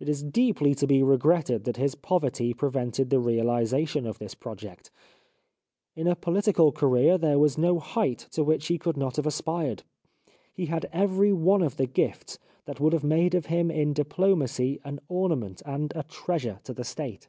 It is deeply to be regretted that his poverty prevented the reahsation of this project. In a pohtical career there was no height to which he could not have aspired. He had every one of the gifts that would have made of him in diplomacy an ornament and a treasure to the State.